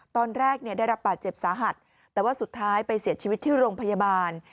ตอนแรกเนี่ยได้รับบาดเจ็บสาหัสแต่ว่าสุดท้ายไปเสียชีวิตที่โรงพยาบาล